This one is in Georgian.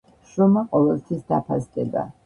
შრომა ყოველთვის დაფასდება.